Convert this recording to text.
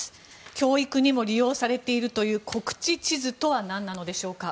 教育にも利用されているという国恥地図とは何なのでしょうか。